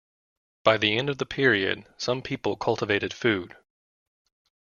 By the end of the period, some people cultivated food.